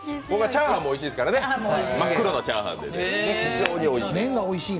チャーハンもおいしいですからね、真っ黒なチャーハンで非常においしい。